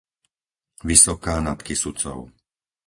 Vysoká nad Kysucou